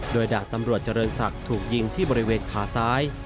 โดยดาบตำรวจเจริญศักดิ์ถูกยิงที่บริเวณขาซ้าย